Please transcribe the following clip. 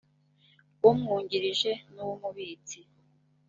umwungirije n uw umubitsi